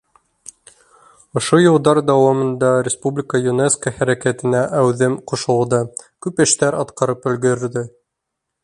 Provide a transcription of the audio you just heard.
Ошо йылдар дауамында республика ЮНЕСКО хәрәкәтенә әүҙем ҡушылды, күп эштәр атҡарып өлгөрҙө.